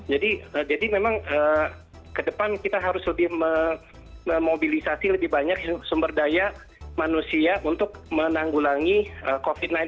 jadi memang kedepan kita harus lebih memobilisasi lebih banyak sumber daya manusia untuk menanggulangi covid sembilan belas